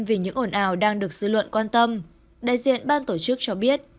vì những ổn ào đang được dự luận quan tâm đại diện ban tổ chức cho biết